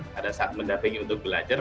pada saat mendampingi untuk belajar